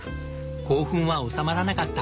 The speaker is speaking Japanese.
興奮は収まらなかった。